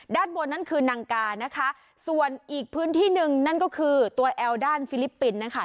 ด้านบนนั้นคือนังกานะคะส่วนอีกพื้นที่หนึ่งนั่นก็คือตัวแอลด้านฟิลิปปินส์นะคะ